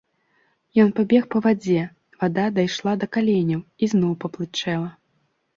Ён пабег па вадзе, вада дайшла да каленяў і зноў паплытчэла.